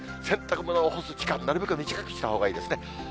洗濯物を干す時間、なるべく短くしたほうがいいですね。